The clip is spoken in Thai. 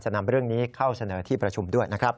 นำเรื่องนี้เข้าเสนอที่ประชุมด้วยนะครับ